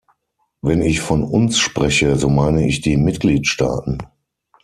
Wenn ich von "uns" spreche, so meine ich die Mitgliedstaaten.